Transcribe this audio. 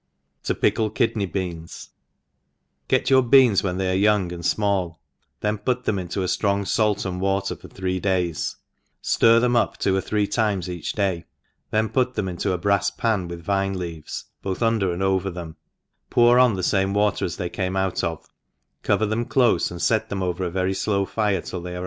(7/>^i/fKiDN:By Beans « GET your beans when they arc young and imall, then pnt them intjo a ftrong fait and water for three days, flir them up two or three times each day, then put them into a brafs p^n^ with vine leaves both untler and over thern^ pour oa the fame water as they came out of, cover them clofe» and fet them over a very flow fire till they are.